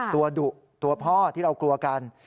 ดุตัวพ่อที่เรากลัวกัน